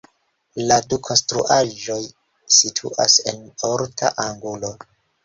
La du konstruaĵoj situas en orta angulo.